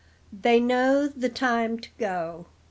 They know the time to go!